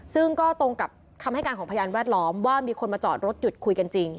ซึ่งก็ตรงกับคำให้การของพยานแวดล้อมว่ามีคนมาจอดรถหยุดคุยกันจริง